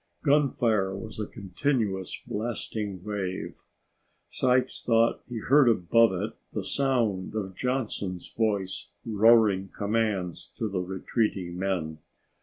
Gunfire was a continuous blasting wave. Sykes thought he heard above it the sound of Johnson's voice roaring commands to the retreating men.